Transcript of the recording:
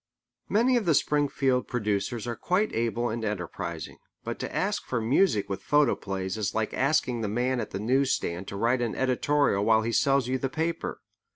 Many of the Springfield producers are quite able and enterprising, but to ask for music with photoplays is like asking the man at the news stand to write an editorial while he sells you the paper.